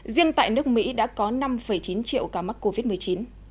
riêng tại nước mỹ đã có năm chín triệu ca mắc covid một mươi chín